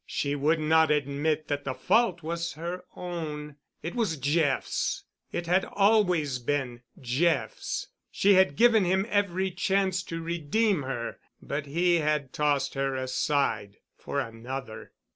She would not admit that the fault was her own—it was Jeff's. It had always been Jeff's. She had given him every chance to redeem her, but he had tossed her aside—for another.